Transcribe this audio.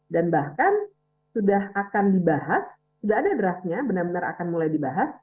dan bahkan sudah akan dibahas sudah ada draftnya benar benar akan mulai dibahas